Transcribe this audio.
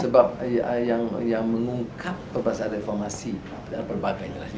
sebab yang mengungkap perbasah reformasi adalah berbagai jelas